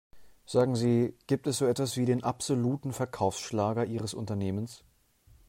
Sagen Sie, gibt es so etwas wie den absoluten Verkaufsschlager ihres Unternehmens?